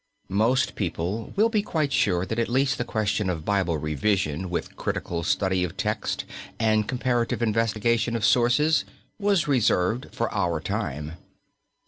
Most people will be quite sure that at least the question of Bible revision with critical study of text and comparative investigation of sources was reserved for our time.